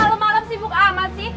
malem malem sibuk amat sih